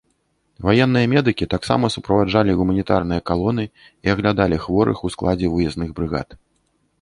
Ваенныя медыкі таксама суправаджалі гуманітарныя калоны і аглядалі хворых у складзе выязных брыгад.